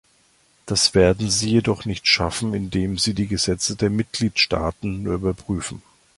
Das werden Sie jedoch nicht schaffen, indem Sie die Gesetze der Mitgliedstaaten nur überprüfen.